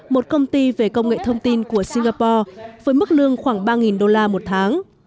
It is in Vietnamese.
một công ty về công nghệ thông tin của singapore với mức lương khoảng ba đô la một tháng